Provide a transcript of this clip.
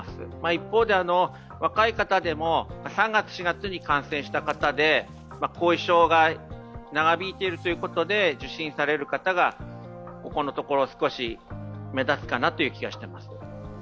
一方で、若い方でも３月、４月に感染した方で後遺症が長引いているということで受診される方が、ここのところ目立つかなという気がしています。